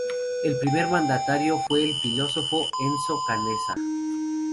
El primer mandatario fue el filósofo Enzo Canessa.